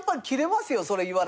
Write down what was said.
それ言われたら。